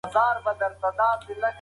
ولې د ګډو ګټو مخالفت مه کوې؟